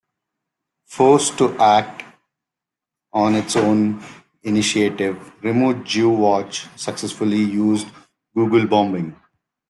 Forced to act on its own initiative, Remove Jew Watch successfully used Googlebombing...